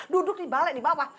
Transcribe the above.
duduk di balai di bawah